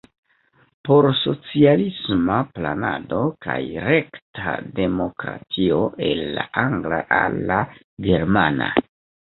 Por socialisma planado kaj rekta demokratio" el la angla al la germana.